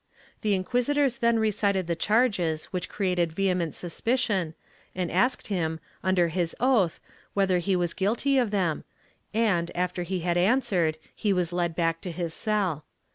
The inquisitors then recited the charges which created vehement suspicion and asked him, under his oath, whether he was guilty of them and, after he had answered, he was led back to his cell.